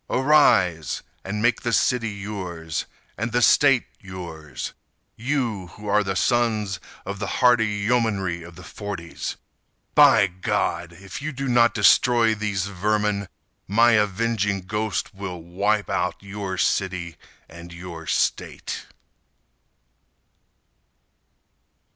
Arise! And make the city yours, And the State yours— You who are sons of the hardy yeomanry of the forties! By God! If you do not destroy these vermin My avenging ghost will wipe out Your city and your state.